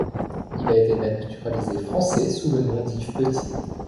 Il a été naturalisé français sous le nom d'Yves Petit.